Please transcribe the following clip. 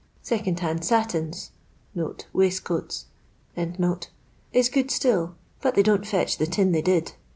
Second hand satins (waistcoau) is good Still, but they don't fetch the tin they did.